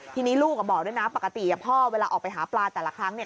ทีนี้ลูกบอกด้วยนะปกติพ่อเวลาออกไปหาปลาแต่ละครั้งเนี่ย